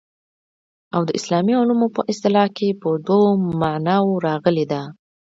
او د اسلامي علومو په اصطلاح کي په دوو معناوو راغلې ده.